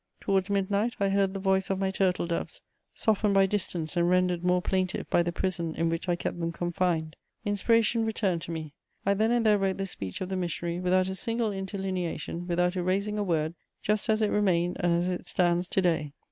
Towards midnight, I heard the voice of my turtle doves, softened by distance and rendered more plaintive by the prison in which I kept them confined: inspiration returned to me; I then and there wrote the speech of the missionary, without a single interlineation, without erasing a word, just as it remained and as it stands to day.